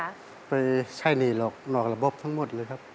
ไปใช้หนี้นอกระบบทั้งหมดเลยครับ